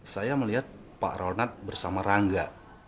saya melihat pak ronald bersama rangga